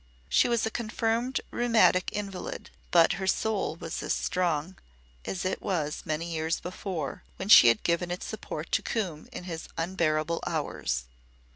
She was a confirmed rheumatic invalid, but her soul was as strong as it was many years before, when she had given its support to Coombe in his unbearable hours.